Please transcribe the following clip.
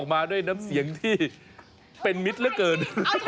มาด้วยน้ำเสียงที่เป็นมิตรเหลือเกิน